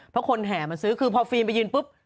เพราะคนแห่มาซื้อคือพอฟิล์มไปยืนปุ๊บ